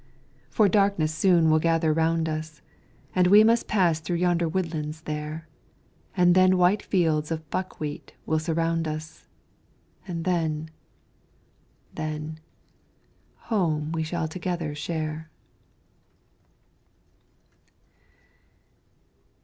for darkness soon will gather round us, And we must pass through yonder woodlands there; And then white fields of buckwheat will surround us, And then then home we shall together share.